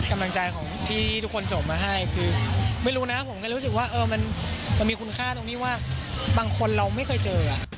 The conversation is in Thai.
กำลังใจของที่ทุกคนจบมาให้คือไม่รู้นะผมก็เลยรู้สึกว่ามันมีคุณค่าตรงที่ว่าบางคนเราไม่เคยเจอ